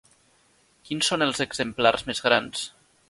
Quins són els exemplars més grans?